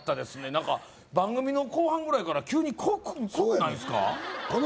何か番組の後半ぐらいから急に濃くないすか？